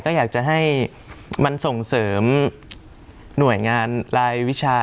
ก็อยากจะให้มันส่งเสริมหน่วยงานรายวิชา